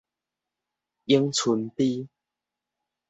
永春埤